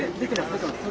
出てます。